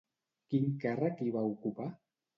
Quin càrrec hi va ocupar?